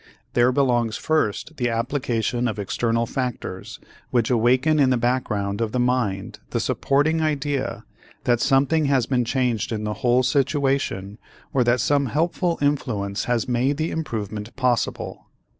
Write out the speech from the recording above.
There belongs first the application of external factors which awaken in the background of the mind the supporting idea that something has been changed in the whole situation or that some helpful influence has made the improvement possible.